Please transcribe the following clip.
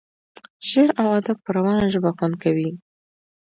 شعر او ادب په روانه ژبه خوند کوي.